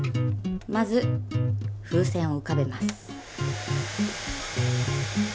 まず風船を浮かべます。